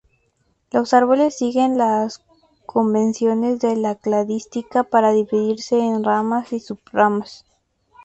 Los árboles siguen las convenciones de la cladística para dividirse en ramas y sub-ramas.